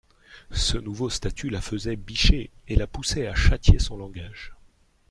Ce nouveau statut la faisait bicher et la poussait à châtier son langage.